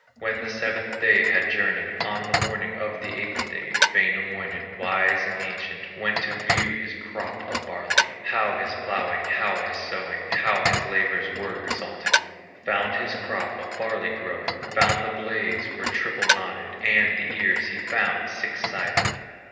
When the seventh day had journeyed, On the morning of the eighth day, Wainamoinen, wise and ancient, Went to view his crop of barley, How his plowing, how his sowing, How his labors were resulting; Found his crop of barley growing, Found the blades were triple knotted, And the ears he found six sided.